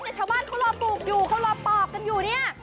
แต่ชาวบ้านเขารอปลูกอยู่เขารอปอกกันอยู่เนี่ย